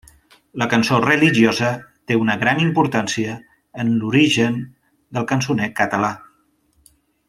La cançó religiosa té una gran importància en l'origen del cançoner català.